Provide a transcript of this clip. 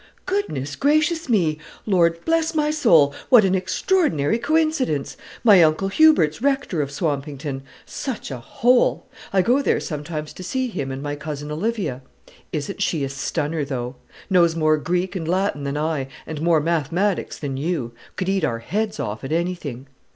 "Goodness gracious me! Lord bless my soul! what an extraordinary coincidence! My uncle Hubert's Rector of Swampington such a hole! I go there sometimes to see him and my cousin Olivia. Isn't she a stunner, though! Knows more Greek and Latin than I, and more mathematics than you. Could eat our heads off at any thing."